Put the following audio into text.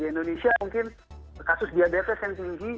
di indonesia mungkin kasus diabetes yang tinggi